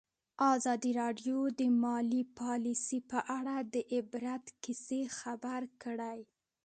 ازادي راډیو د مالي پالیسي په اړه د عبرت کیسې خبر کړي.